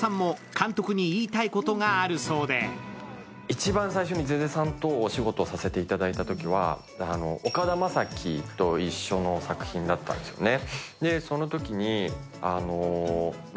一番最初に瀬々さんとお仕事させていただいたときは岡田将生と一緒の作品だったんですよね。